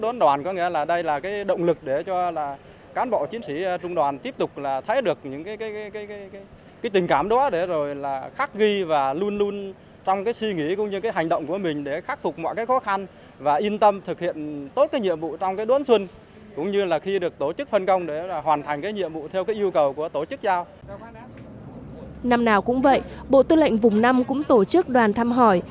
năm nào cũng vậy bộ tư lệnh vùng năm cũng tổ chức đoàn thăm hỏi